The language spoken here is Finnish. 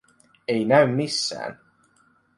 Ei näy missään.